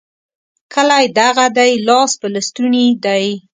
کلی دغه دی؛ لاس په لستوڼي دی.